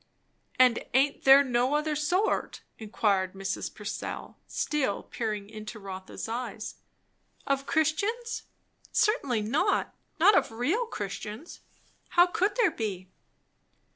'" "And aint there no other sort?" inquired Mrs. Purcell, still peering into Rotha's eyes. "Of Christians? Certainly not. Not of real Christians. How could there be?"